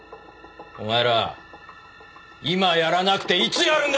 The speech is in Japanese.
お前ら今やらなくていつやるんだ！